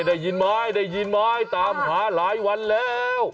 ได้ยินไม้ได้ยินไม้ตามหาหลายวันแล้ว